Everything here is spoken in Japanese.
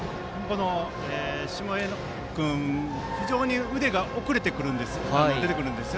下醉尾君、非常に腕が遅れて出てくるんです。